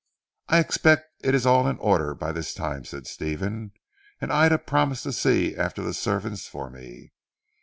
"I expect it is all in order by this time," said Stephen, "and Ida promised to see after the servants for me.